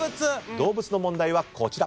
動物の問題はこちら。